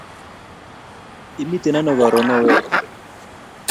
Imiten ano karun ooh weri